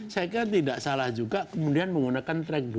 saya kira tidak salah juga kemudian menggunakan track dua